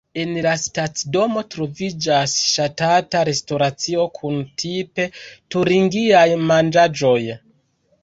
En la stacidomo troviĝas ŝatata restoracio kun tipe turingiaj manĝaĵoj.